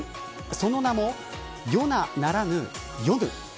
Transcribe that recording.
その名もヨナならぬヨヌ。